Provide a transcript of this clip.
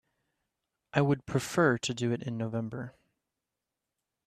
I would prefer to do it in November.